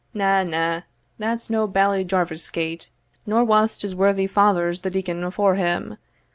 Na, na, that's no Bailie Jarvie's gate, nor was't his worthy father's the deacon afore him.